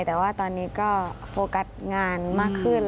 แต่ว่าตอนนี้ก็โฟกัสงานมากขึ้น